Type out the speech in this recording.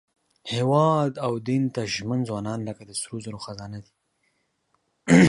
هېواد او دین ته ژمن ځوانان لکه د سرو زرو خزانه دي.